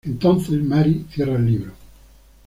Entonces Mary cierra el libro.